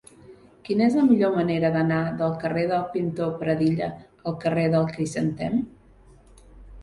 Quina és la millor manera d'anar del carrer del Pintor Pradilla al carrer del Crisantem?